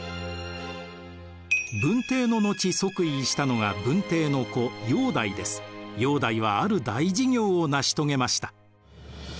文帝の後即位したのが文帝の子煬帝はある大事業を成し遂げました。